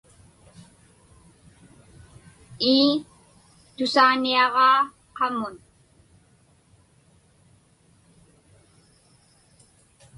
Ii, tusaaniaġaa qamun.